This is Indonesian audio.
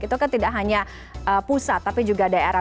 itu kan tidak hanya pusat tapi juga daerah